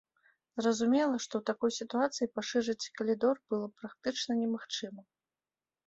Зразумела, што ў такой сітуацыі пашырыць калідор было практычна немагчыма.